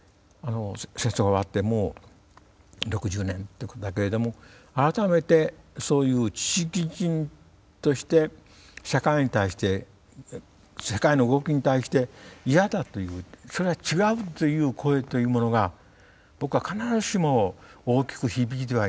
戦争が終わってもう６０年だけれども改めてそういう知識人として社会に対して世界の動きに対して「嫌だ」と言う「それは違う」と言う声というものが僕は必ずしも大きく響いてはいない。